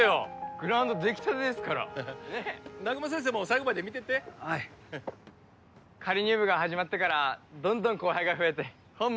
グラウンドできたてですからねっ南雲先生も最後まで見てってはい仮入部が始まってからどんどん後輩が増えてホンマ